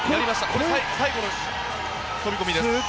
これ、最後の飛込です。